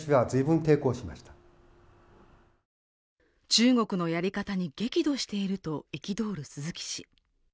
中国のやり方に激怒していると憤る鈴木氏。